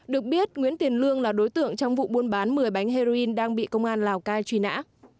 được biết nguyễn tiền lương là đối tượng trong vụ buôn bán một mươi bánh heroin đang bị công an lào cai truy nã